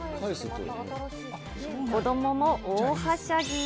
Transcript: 子どもも大はしゃぎ。